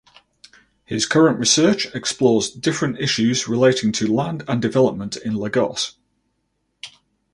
His current research explores different issues relating to land and development in Lagos.